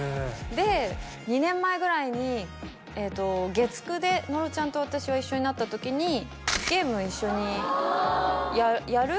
で２年前ぐらいに月９で野呂ちゃんと私が一緒になった時にゲーム一緒にやる？